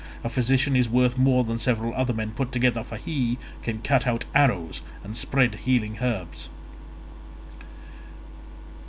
A physician is worth more than several other men put together, for he can cut out arrows and spread healing herbs."